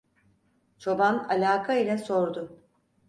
Çoban alaka ile sordu: